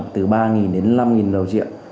từ ba đến năm đồng triệu